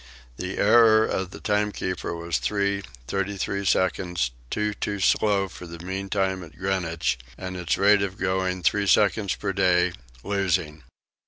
The error of the timekeeper was 3 minutes 33 seconds, 2 too slow for the mean time at Greenwich, and its rate of going 3 seconds per day, losing.